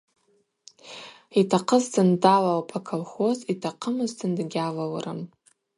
Йтахъызтын далалпӏ аколхоз, йтахъымызтын дгьалалрым.